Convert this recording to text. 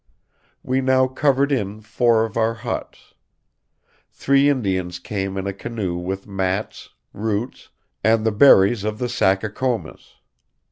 We now covered in four of our huts. Three Indians came in a canoe with mats, roots, and the berries of the sacacommis.